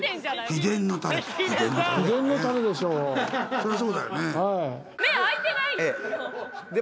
そりゃそうだよね。